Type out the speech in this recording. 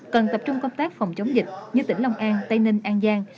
cần tập trung công tác phòng chống dịch như tỉnh long an tây ninh an giang